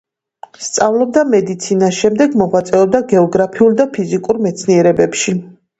სწავლობდა მედიცინას, შემდეგ მოღვაწეობდა გეოგრაფიულ და ფიზიკურ მეცნიერებებში.